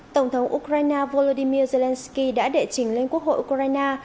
tổng thống ukraine volodymyr zelensky đã đệ trình lên quốc hội ukraine